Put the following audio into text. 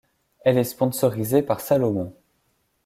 Elle est sponsorisée par Salomon.